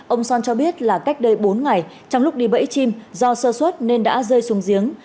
ông son cho biết là cách đây bốn ngày trong lúc đi bẫy chim do sơ suất nên đã rơi xuống giếng